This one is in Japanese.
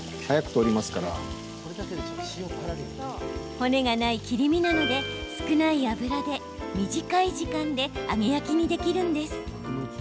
骨がない切り身なので少ない油で短い時間で揚げ焼きにできるんです。